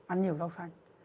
ăn nhiều rau xanh